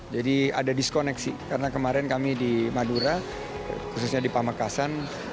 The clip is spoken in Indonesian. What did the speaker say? ada diskoneksi karena kemarin kami di madura khususnya di pamekasan